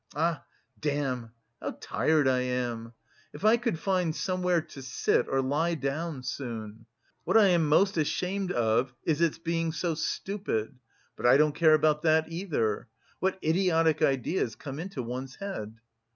Ah... damn! How tired I am! If I could find somewhere to sit or lie down soon! What I am most ashamed of is its being so stupid. But I don't care about that either! What idiotic ideas come into one's head."